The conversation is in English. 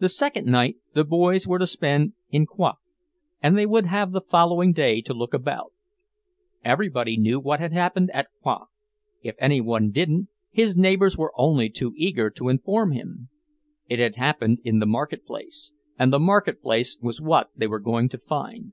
The second night the boys were to spend in Rouen, and they would have the following day to look about. Everybody knew what had happened at Rouen if any one didn't, his neighbours were only too eager to inform him! It had happened in the market place, and the market place was what they were going to find.